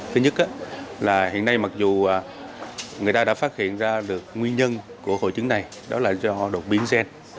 thứ nhất là hiện nay mặc dù người ta đã phát hiện ra được nguyên nhân của hội chứng này đó là do đột biến gen